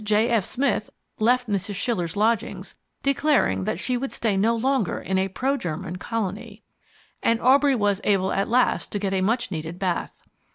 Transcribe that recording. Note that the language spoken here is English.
J. F. Smith left Mrs. Schiller's lodgings, declaring that she would stay no longer in a pro German colony; and Aubrey was able at last to get a much needed bath.